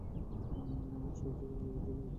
সহিংসতা জনগণকে জাগিয়ে তোলে।